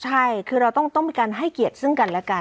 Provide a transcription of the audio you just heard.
ใช่คือเราต้องมีการให้เกียรติซึ่งกันและกัน